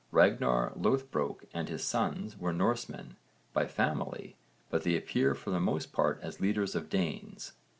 Ragnarr Loðbrók and his sons were Norsemen by family but they appear for the most part as leaders of Danes.